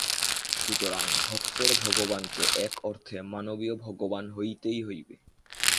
সুতরাং ভক্তের ভগবানকে এক অর্থে মানবীয় ভগবান হইতেই হইবে।